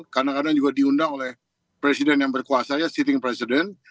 kadang kadang juga diundang oleh presiden yang berkuasa ya seating presiden